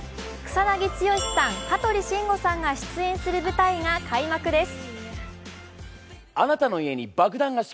草なぎ剛さん、香取慎吾さんが出演する舞台が開幕です。